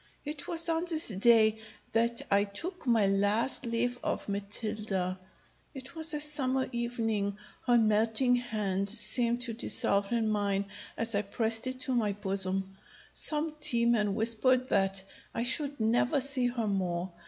It was on this day that I took my last leave of Matilda. It was a summer evening; her melting hand seemed to dissolve in mine as I prest it to my bosom. Some demon whispered me that I should never see her more.